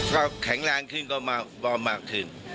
ก็แข็งแรงขึ้นก็มากขึ้น